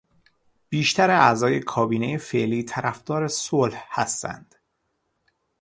بیشتر اعضای کابینهی فعلی طرفدار صلح هستند.